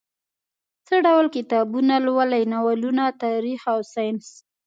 څه ډول کتابونه لولئ؟ ناولونه، تاریخ او ساینس